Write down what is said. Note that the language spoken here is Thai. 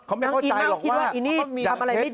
เขาไม่เข้าใจหรอกว่าอย่างเพชรเนี่ย